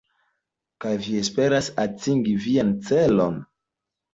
Kaj vi esperas atingi vian celon?